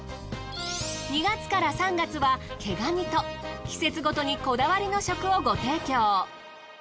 ２月から３月は毛ガニと季節ごとにこだわりの食をご提供。